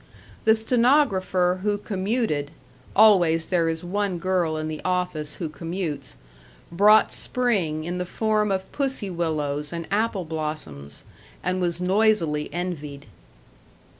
The stenographer who commuted always there is one girl in the office who commutes brought spring in the form of pussy willows and apple blossoms, and was noisily envied.